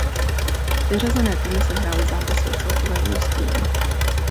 Vyřazené týmy sehrály zápasy o celkové umístění.